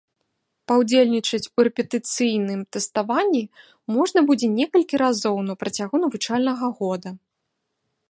Паўдзельнічаць у рэпетыцыйным тэставанні можна будзе некалькі разоў на працягу навучальнага года.